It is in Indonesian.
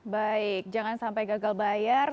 baik jangan sampai gagal bayar